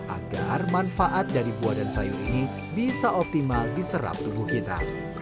agar manfaat dari buah dan sayur ini bisa optimal diserap tubuh kita